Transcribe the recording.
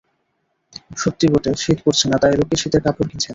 সত্যি বটে, শীত পড়ছে না, তাই লোকে শীতের কাপড় কিনছে না।